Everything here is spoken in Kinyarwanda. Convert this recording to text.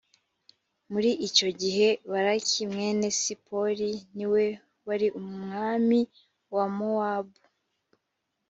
muri icyo gihe balaki, mwene sipori, ni we wari umwami wa mowabu.